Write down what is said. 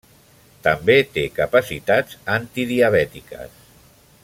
També té capacitats antidiabètiques.